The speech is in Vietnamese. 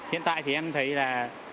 hiện tại em thấy là